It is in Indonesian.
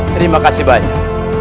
terima kasih banyak